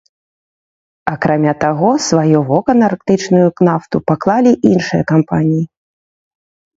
Акрамя таго, сваё вока на арктычную нафту паклалі іншыя кампаніі.